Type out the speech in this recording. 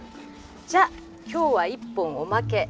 じゃあ今日は１本おまけ。